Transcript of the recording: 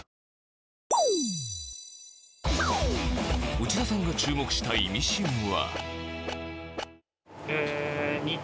内田さんが注目したイミシンは。